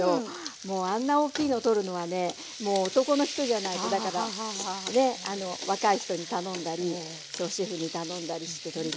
もうあんな大きいのとるのはね男の人じゃないとだからね若い人に頼んだり主人に頼んだりしております。